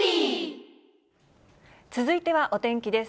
続いてはお天気です。